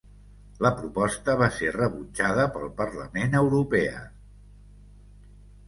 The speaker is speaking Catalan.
La proposta va ser rebutjada pel Parlament Europea.